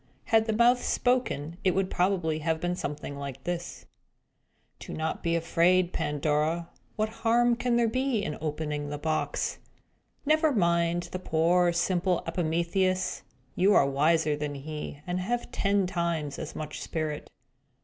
Had the mouth spoken, it would probably have been something like this: "Do not be afraid, Pandora! What harm can there be in opening the box? Never mind that poor, simple Epimetheus! You are wiser than he, and have ten times as much spirit.